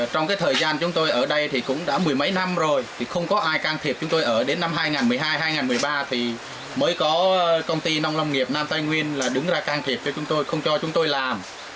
trong thời gian chúng tôi ở đây thì cũng đã mười mấy năm rồi thì không có ai can thiệp chúng tôi ở đến năm hai nghìn một mươi hai hai nghìn một mươi ba thì mới có công ty nông lâm nghiệp nam tây nguyên là đứng ra can thiệp cho chúng tôi không cho chúng tôi làm